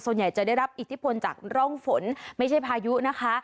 ส่วนใหญ่จะได้รับอิทธิพลจากร่องฝนไม่ใช่พายุนะคะ